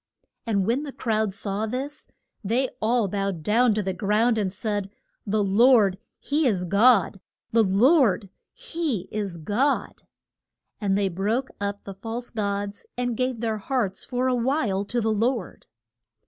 And when the crowd saw this they all bowed down to the ground, and said, The Lord he is God! The Lord he is God! And they broke up the false gods, and gave their hearts for a while to the Lord.